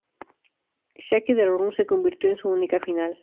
Shake the Room" se convirtió en su única final.